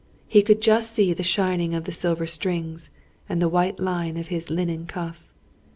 He could just see the shining of the silver strings, and the white line of his linen cuff.